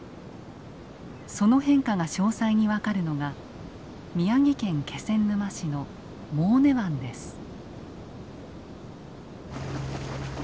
その変化が詳細に分かるのが宮城県気仙沼市の舞根湾です。